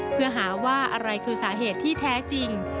เพื่อหาว่าอะไรคือสาเหตุที่แท้จริง